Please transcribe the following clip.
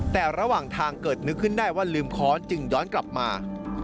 แต่ระหว่างทางเกิดนึกขึ้นได้ว่าลืมค้อนจึงย้อนกลับมา